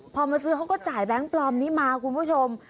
พอมาซื้อเขาก็จ่ายแบงค์ปลอมนี้มาคุณผู้ชม